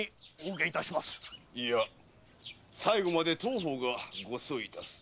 いや最後まで当方が護送いたす。